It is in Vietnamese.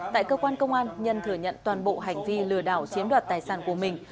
tại cơ quan công an nhân thừa nhận toàn bộ hành vi lừa đảo chiếm đoạt tài sản của mình